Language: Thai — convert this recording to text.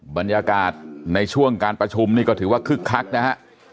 บรรยากาศในช่วงการประชุมนี่ก็ถือว่าคึกคักนะฮะ